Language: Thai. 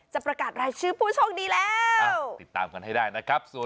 ประกาศรายชื่อผู้โชคดีแล้วติดตามกันให้ได้นะครับ